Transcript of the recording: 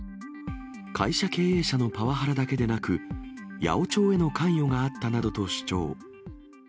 会社経営者のパワハラだけでなく、八百長への関与があったなどと主張。